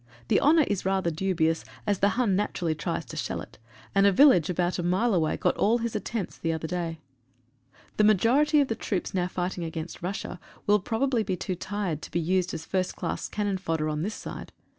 The honour is rather dubious, as the Hun naturally tries to shell it, and a village about a mile away got all his attempts the other day. The majority of the troops now fighting against Russia will probably be too tired to be used as first class cannon fodder on this side.